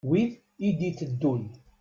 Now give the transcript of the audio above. Wid i d-iteddun.